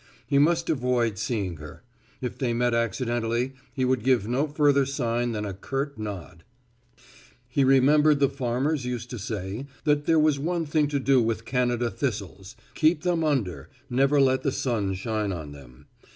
He must avoid seeing her; if they met accidentally he would give no further sign than a curt nod. He remembered the farmers used to say that there was one thing to do with Canada thistles keep them under, never let the sun shine on them.